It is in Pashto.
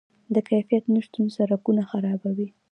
د کیفیت نشتون سرکونه خرابوي.